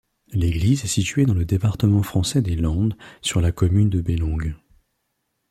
L'église est située dans le département français des Landes, sur la commune de Beylongue.